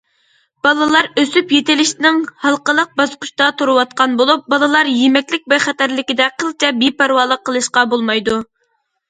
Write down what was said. بالىلار ئۆسۈپ يېتىلىشنىڭ ھالقىلىق باسقۇچتا تۇرۇۋاتقان بولۇپ، بالىلار يېمەكلىك بىخەتەرلىكىدە قىلچە بىپەرۋالىق قىلىشقا بولمايدۇ.